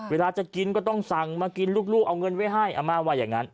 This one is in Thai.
เวลาจะกินก็ต้องสั่งมากินลูกเอาเงินไว้ให้อาม่าว่าอย่างนั้น